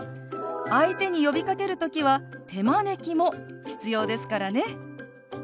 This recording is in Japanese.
相手に呼びかける時は手招きも必要ですからね。